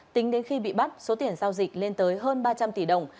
tính đến khi bị bắt số tiền giao dịch lên tới hơn ba trăm linh tỷ đồng